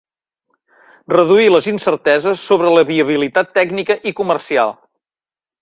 Reduir les incerteses sobre la viabilitat tècnica i comercial.